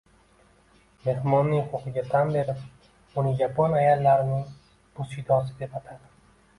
Mehmonning xulqiga tan berib, uni yapon ayollarining busidosi deb atadi